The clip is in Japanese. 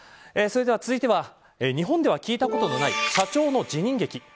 続いては日本では聞いたことのない社長の辞任劇。